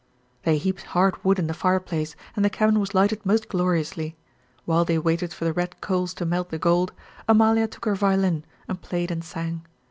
They heaped hard wood in the fireplace and the cabin was lighted most gloriously. While they waited for the red coals to melt the gold, Amalia took her violin and played and sang.